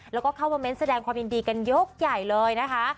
แล้วก็เข้ามาเน้นแสดงความยินดีกันยกใหญ่เลยนะคะ